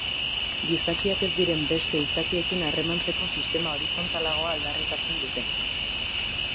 Gizakiak ez diren beste izakiekin harremantzeko sistema horizontalagoa aldarrikatzen dute.